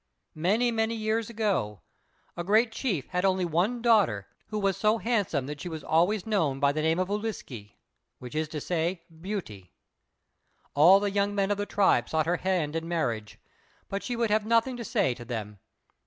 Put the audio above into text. Many, many years ago a great chief had an only daughter who was so handsome that she was always known by the name of "Ūliske," which is to say "Beauty." All the young men of the tribe sought her hand in marriage, but she would have nothing to say to them.